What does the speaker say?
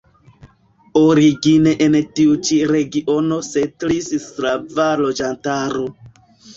Origine en tiu ĉi regiono setlis slava loĝantaro.